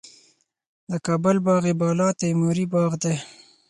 د کابل باغ بالا تیموري باغ دی